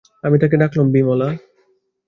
আমি তাকে ডাকলুম, বিমলা!